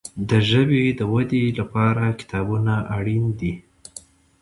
د ژبي د ودي لپاره کتابونه اړین دي.